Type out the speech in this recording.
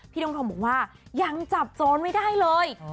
ทงทองบอกว่ายังจับโจรไม่ได้เลย